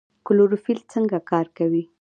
کلوروفیل څنګه کار کوي؟